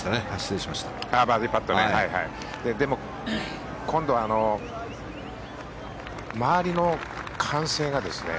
でも、今度は周りの歓声がですね